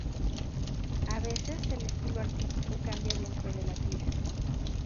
A veces, el estilo artístico cambia dentro de la tira.